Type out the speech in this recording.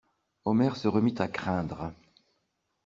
Omer se remit à craindre.